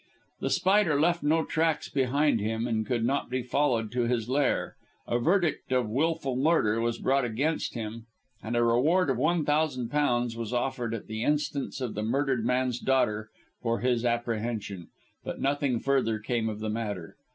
The Spider left no tracks behind him, and could not be followed to his lair. A verdict of "Wilful Murder" was brought against him, and a reward of one thousand pounds was offered at the instance of the murdered man's daughter for his apprehension, but nothing further came of the matter.